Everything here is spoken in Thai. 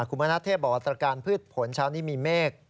คุณมณเทพบอกว่าตรการพืชผลเช้านี้มีเมฆ